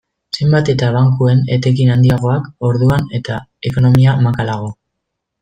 Zenbat eta bankuen etekin handiagoak, orduan eta ekonomia makalago.